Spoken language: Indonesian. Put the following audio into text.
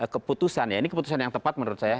keputusan ya ini keputusan yang tepat menurut saya